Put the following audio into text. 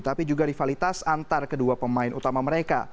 tapi juga rivalitas antar kedua pemain utama mereka